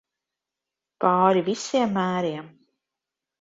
Pāri visiem mēriem.